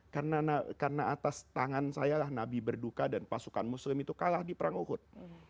karena atas tangan saya lah nabi berduka dan pasukan muslim itu kalah di perang uhud